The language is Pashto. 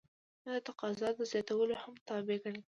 دا د تقاضا د زیاتوالي هم تابع ګڼل کیږي.